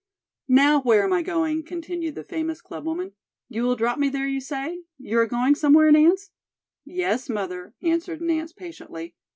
"Now, where am I going?" continued the famous clubwoman. "You will drop me there, you say? You are going somewhere, Nance?" "Yes, mother," answered Nance patiently.